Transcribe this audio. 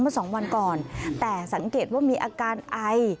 สองวันก่อนแต่สังเกตว่ามีอาการไอ